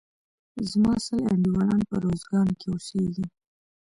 زما سل انډيوالان په روزګان کښي اوسيږي.